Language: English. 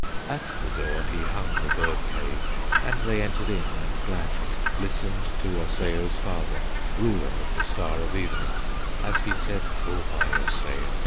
"At the door he hung the bird cage, And they entered in and gladly Listened to Osseo's father, Ruler of the Star of Evening, As he said: 'O my Osseo!